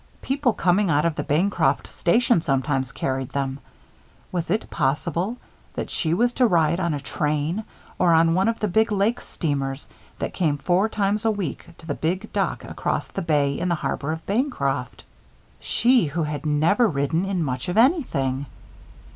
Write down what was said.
People coming out of the Bancroft station sometimes carried them. Was it possible that she was to ride on a train or on one of the big lake steamers that came four times a week to the big dock across the Bay in the harbor of Bancroft? She who had never ridden in much of anything!